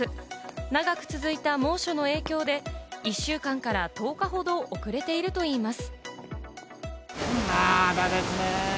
長く続いた猛暑の影響で、１週間から１０日ほど遅れているといいます。